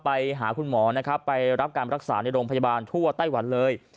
ไปหาคุณหมอนะครับไปรับการรักษาในโรงพยาบาลทั่วไต้หวันเลย